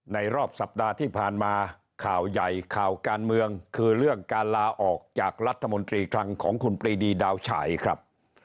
รอบสัปดาห์ที่ผ่านมาข่าวใหญ่ข่าวการเมืองคือเรื่องการลาออกจากรัฐมนตรีคลังของคุณปรีดีดาวฉายครับ